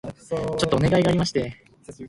ちょっとお願いがありまして